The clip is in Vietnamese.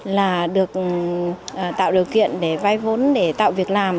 là được tạo điều kiện để vay vốn để tạo việc làm